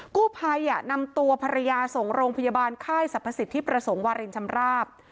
กู้ภัยนำตัวภรรยาส่งโรงพยาบาลค่ายสรรพสิทธิประสงค์วารินชำราบ